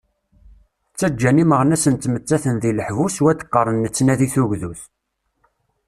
Ttaǧǧan imeɣnasen ttmettaten deg leḥbus, u ad d-qqaren nettnadi tugdut!